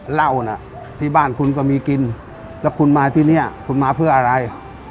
เหล้าน่ะที่บ้านคุณก็มีกินแล้วคุณมาที่นี่คุณมาเพื่ออะไร